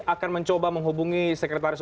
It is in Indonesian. akan mencoba menghubungi sekretaris